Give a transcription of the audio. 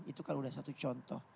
itu kan udah satu contoh